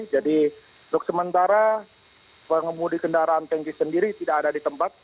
jadi untuk sementara pengemudi kendaraan tanki sendiri tidak ada di tempat